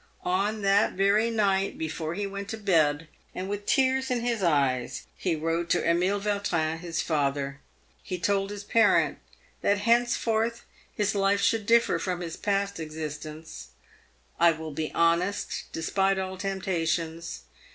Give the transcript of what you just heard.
On that very night, PAVED WITH GOLD. 377 before lie went to bed, and with tears in bis eyes, be wrote to Emile Vautrin, bis fatber. He told bis parent tbat bencefortb his life should differ from bis past existence. " I will be honest, despite all tempta tions.